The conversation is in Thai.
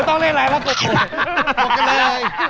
โอเคโอเคโอเคโอเคโอเค